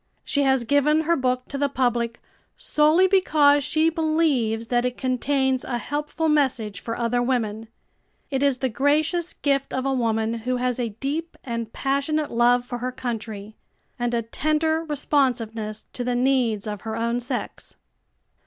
She has given her book to the public solely because she believes that it contains a helpful message for other women, It is the gracious gift of a woman who has a deep and passionate love for her country, and a tender responsiveness to the needs of her own sex.